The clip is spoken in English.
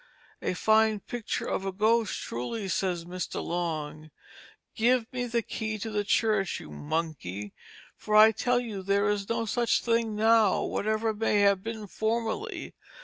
A fine picture of a ghost truly, says Mr. Long, give me the key of the church, you monkey; for I tell you there is no such thing now, whatever may have been formerly.